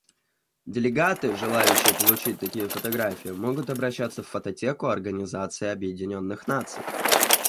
Делегаты, желающие получить такие фотографии, могут обращаться в Фототеку Организации Объединенных Наций.